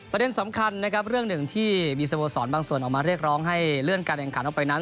ประเด็นสำคัญนะครับเรื่องหนึ่งที่มีสโมสรบางส่วนออกมาเรียกร้องให้เลื่อนการแข่งขันออกไปนั้น